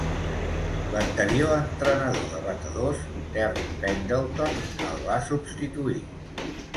L"anterior entrenador de batedors, Terry Pendleton, el va substituir.